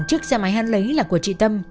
trước xe máy hăn lấy là của chị tâm